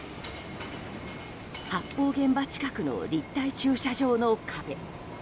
発砲現場近くの立体駐車場の壁。